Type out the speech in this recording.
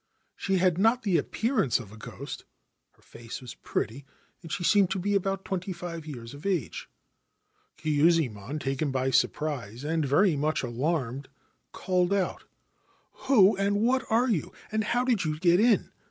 She had not the appearance of a ghost ; her face was pretty, and she seemed to be about twenty five years of age. Kyuzae mon, taken by surprise and very much alarmed, called out : 1 Who and what are you, and how did you get in